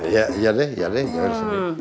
ya ya deh jalan sendiri